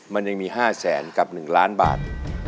มันยังมี๕แสนกับ๑ล้านบาท